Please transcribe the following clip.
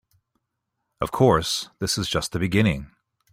Of course, this is just the beginning.